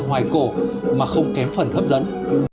ngoài cổ mà không kém phần hấp dẫn